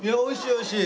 おいしい？